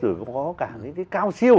rồi có cả những cái cao siêu